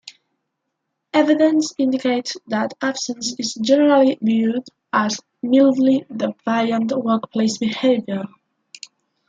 Evidence indicates that absence is generally viewed as "mildly deviant workplace behavior".